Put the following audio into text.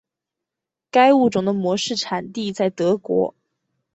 该物种的模式产地在德国。